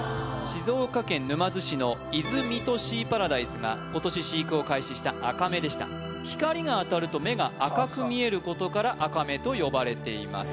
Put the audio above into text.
静岡県沼津市の伊豆・三津シーパラダイスが今年飼育を開始したアカメでした光が当たると目が赤く見えることからアカメと呼ばれています